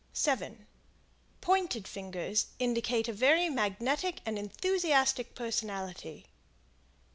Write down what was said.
7 Pointed fingers indicate a very magnetic and enthusiastic personality.